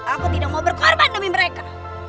aku tidak mau berkorban demi mereka